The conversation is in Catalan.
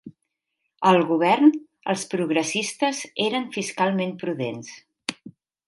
Al govern, els progressistes eren fiscalment prudents.